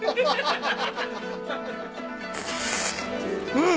うん。